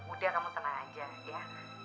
udah kamu tenang aja ya